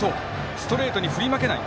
ストレートに振り負けない。